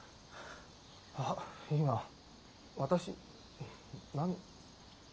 あ今私何。